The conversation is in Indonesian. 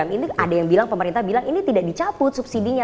ini ada yang bilang pemerintah bilang ini tidak dicabut subsidinya